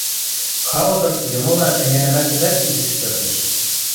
Халыкын йымылан ӹнянӹмӓшӹжӓт изиш шӧрлӹш.